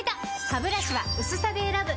ハブラシは薄さで選ぶ！